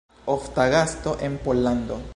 Ofta gasto en Pollando.